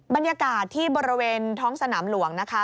บรรยากาศที่บริเวณท้องสนามหลวงนะคะ